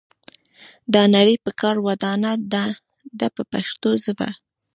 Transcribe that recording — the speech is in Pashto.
دا نړۍ په کار ودانه ده په پښتو ژبه.